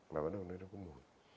và bắt đầu nó có mùi